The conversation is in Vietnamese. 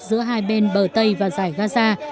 giữa hai bên bờ tây và giải gaza